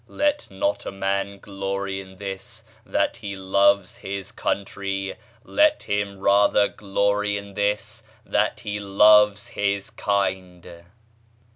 Let not a man glory in this, that he loves his country; let him rather glory in this, that he loves his kind...."